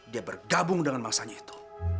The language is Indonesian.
dia bergabung dengan mangsanya itu